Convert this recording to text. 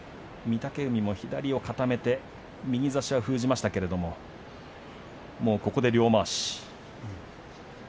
御嶽海も左を固めて右差しは封じましたけれどももうここで両まわし。